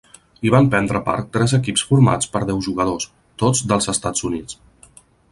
Hi van prendre part tres equips formats per deu jugadors, tots dels Estats Units.